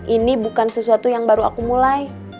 ini bukan sesuatu yang baru aku mulai